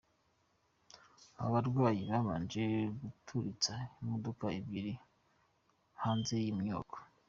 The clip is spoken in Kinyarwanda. Aba barwanyi babanje guturitsa imodoka ebyiri hanze y’iyi nyubako.